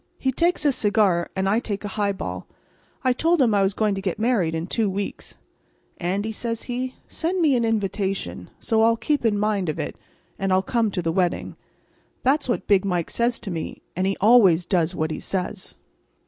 He takes a cigar, and I take a highball. I told him I was going to get married in two weeks. 'Andy,' says he, 'send me an invitation, so I'll keep in mind of it, and I'll come to the wedding.' That's what Big Mike says to me; and he always does what he says.